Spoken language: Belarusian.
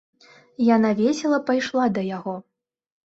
Яна весела пайшла да яго.